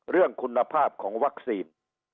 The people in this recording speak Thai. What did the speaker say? เรื่องคุณภาพของวัคซีน